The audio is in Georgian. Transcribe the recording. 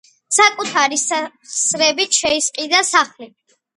საკუთარი სახსრებით შეისყიდა სახლი